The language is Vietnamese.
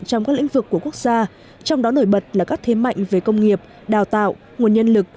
trong các lĩnh vực của quốc gia trong đó nổi bật là các thế mạnh về công nghiệp đào tạo nguồn nhân lực